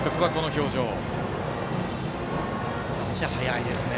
足が速いですね。